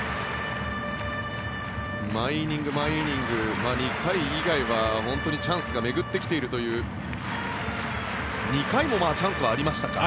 毎イニング、毎イニング２回以外は本当にチャンスが巡ってきているという２回もチャンスはありましたか。